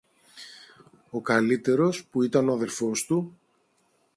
Ο καλύτερος, που ήταν ο αδελφός του